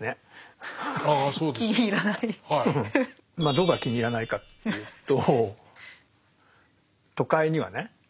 どこが気に入らないかっていうと都会にはね